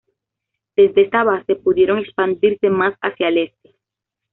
Desde esta base, pudieron expandirse más hacia el este.